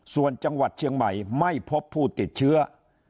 ส่วนจังหวัดเชียงใหม่ไม่พบผู้ติดเชื้อ